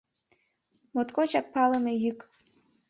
Моткочак палыме йӱк.